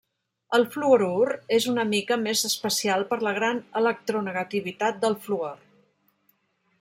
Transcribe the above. El fluorur és una mica més especial per la gran electronegativitat del fluor.